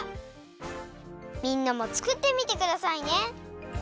みんなもつくってみてくださいね。